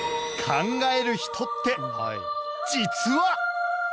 『考える人』って実は